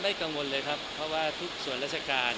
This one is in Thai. กังวลเลยครับเพราะว่าทุกส่วนราชการ